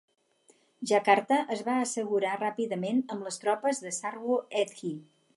Jakarta es va assegurar ràpidament amb les tropes de Sarwo Edhie.